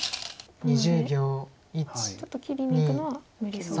なのでちょっと切りにいくのは無理そう。